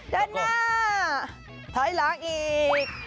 ด้านหน้าถอยหลังอีก